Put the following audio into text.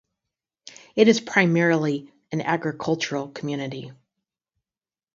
It is primarily an agricultural community.